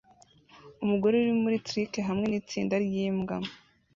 Umugore uri kuri trike hamwe nitsinda ryimbwa